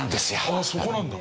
ああそこなんだ。